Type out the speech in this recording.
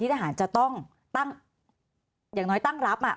ทำไมรัฐต้องเอาเงินภาษีประชาชน